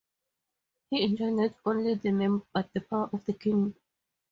He enjoyed not only the name but the power of the king.